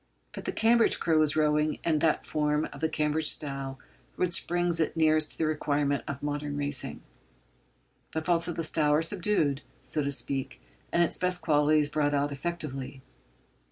But the Cambridge crew is rowing in that form of the Cambridge style which brings it nearest to the requirements of modern racing. The faults of the style are subdued, so to speak, and its best qualities brought out effectively.